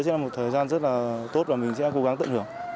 sẽ là một thời gian rất là tốt và mình sẽ cố gắng tận hưởng